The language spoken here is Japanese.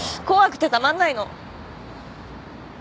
怖くてたまんないの。